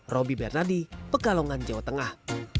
roby bernardi pekalongan jawa tengah